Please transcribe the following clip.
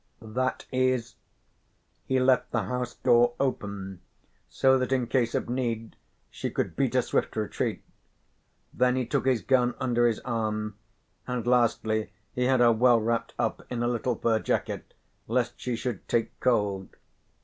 That is he left the house door open so that in case of need she could beat a swift retreat, then he took his gun under his arm, and lastly he had her well wrapped up in a little fur jacket lest she should take cold.